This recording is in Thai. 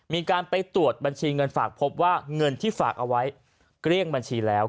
มีการไปตรวจบัญชีเงินฝากพบว่าเงินที่ฝากเอาไว้เกลี้ยงบัญชีแล้ว